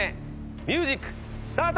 ミュージックスタート！